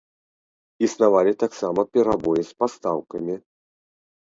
Існавалі таксама перабоі з пастаўкамі.